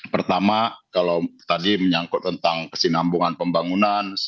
pertama kalau tadi menyangkut tentang kesinambungan pembangunan